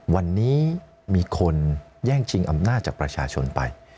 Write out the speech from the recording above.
วันนี้มีคนแย่งชิงอำนาจจากประชาชนไป